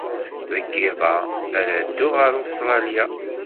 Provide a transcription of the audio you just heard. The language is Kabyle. Deg yiḍ-a ara dduɣ ɣer Ustṛalya.